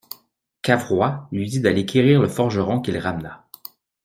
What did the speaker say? Cavrois lui dit d'aller quérir le forgeron, qu'il ramena.